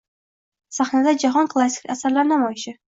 Sahnada jahon klassik asarlari namoyishi